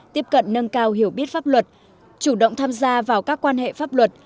tiếp cận nâng cao hiểu biết pháp luật chủ động tham gia vào các quan hệ pháp luật